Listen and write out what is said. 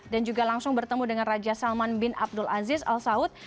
dan juga langsung bertemu dengan raja salman bin abdul aziz al saud